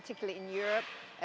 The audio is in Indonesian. terutama di eropa